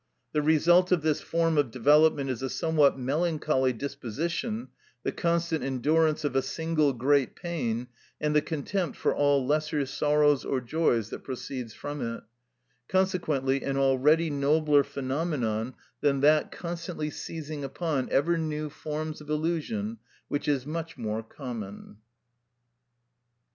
The result of this form of development is a somewhat melancholy disposition, the constant endurance of a single great pain, and the contempt for all lesser sorrows or joys that proceeds from it; consequently an already nobler phenomenon than that constant seizing upon ever new forms of illusion, which is much more common.